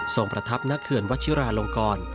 ส่งประทับหน้าเคลื่อนวชิราลงกร